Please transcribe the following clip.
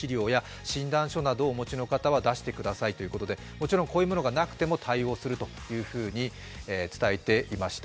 こちらこういうものがなくても対応するということを伝えていました。